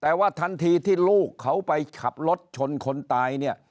แต่ว่าทันทีที่ลูกเขาไปขับรถชนคนตายเนี่ย